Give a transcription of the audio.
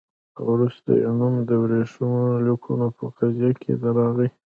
او وروسته یې نوم د ورېښمینو لیکونو په قضیه کې راغی.